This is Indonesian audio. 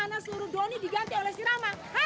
kenapa kamu suruh doni diganti oleh si lama